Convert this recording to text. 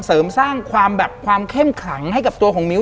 เสริมสร้างความแบบความเข้มขลังให้กับตัวของมิ้ว